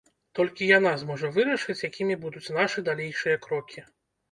Толькі яна зможа вырашыць, якімі будуць нашы далейшыя крокі.